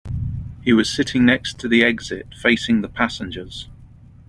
He was sitting next to the exit, facing the passengers.